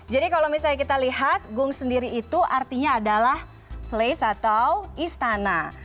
jadi kalau misalnya kita lihat gung sendiri itu artinya adalah place atau istana